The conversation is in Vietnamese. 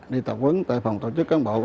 đi tập vấn tại phòng tổ chức cán bộ